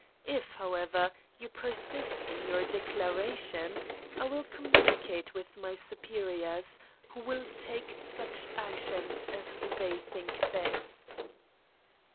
If, however, you persist in your declaration, I will communicate with my superiors, who will take such action as they think best."